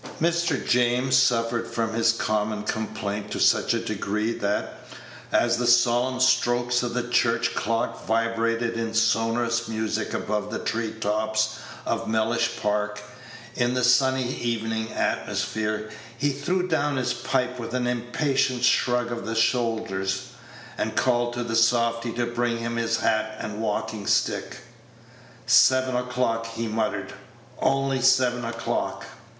Mr. James suffered from this common complaint to such a degree that, as the solemn strokes of the church clock vibrated in sonorous music above the tree tops of Mellish Park in the sunny evening atmosphere, he threw down his pipe with an impatient shrug of the shoulders, and called to the softy to bring him his hat and walking stick. "Seven o'clock," he muttered; "only seven o'clock.